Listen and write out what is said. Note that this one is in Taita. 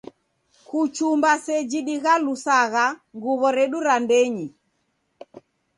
Kuchumba seji dighalusagha nguw'o redu ra ndenyi